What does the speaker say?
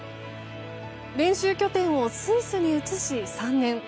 練習拠点をスイスに移し３年。